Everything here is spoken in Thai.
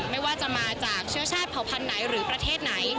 ไม่ว่าจะมาจากเชื้อชาติเผาพันธุ์ไหนหรือประเทศไหน